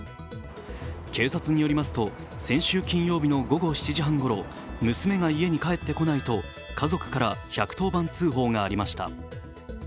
警察によりますと先週金曜日の午後７時半ごろ、娘が家に帰ってこないと家族から１１０番通報がありました。